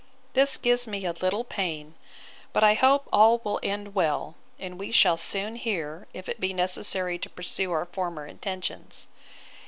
This gives me a little pain; but I hope all will end well, and we shall soon hear, if it be necessary to pursue our former intentions.